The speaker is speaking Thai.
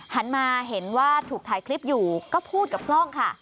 หันมาเห็นว่าถูกถ่ายคลิปอยู่ก็พูดกับกล้องค่ะ